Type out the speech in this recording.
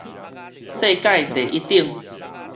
世界第一等